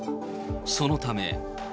そのため。